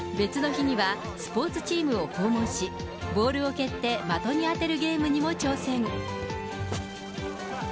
別の日には、スポーツチームを訪問し、ボールを蹴って的に当てるゲームにも挑戦。